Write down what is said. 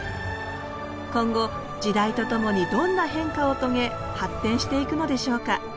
今後時代とともにどんな変化を遂げ発展していくのでしょうか。